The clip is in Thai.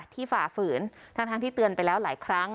ฝ่าฝืนทั้งที่เตือนไปแล้วหลายครั้ง